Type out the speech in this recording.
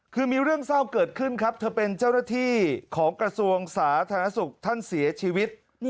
คือมีเรื่องเศร้าเกิดขึ้นครับเธอเป็นเจ้าหน้าที่ของกระทรวงสาธารณสุขท่านเสียชีวิต